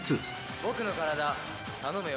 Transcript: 僕の体頼むよ。